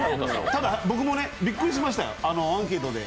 ただ僕もびっくりしましたよ、アンケートで。